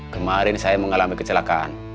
kemarin saya mengalami kecelakaan